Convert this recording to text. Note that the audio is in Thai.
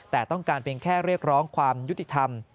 แต่ต้องการเพียงแค่เรียกร้องความยุติธรรม